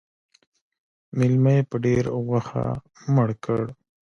_مېلمه يې په ډېره غوښه مړ کړ.